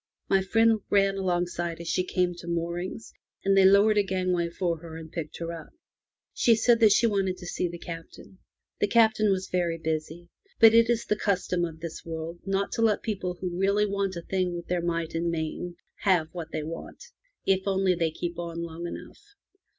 My friend ran alongside as she came to moorings, and they lowered a gang way for her and picked her up. She said that she wanted to see the Captain. The Captain was very busy, but it is the custom of this world to let the people who really want a thing with their might and main have what they want, if only they keep on long enough.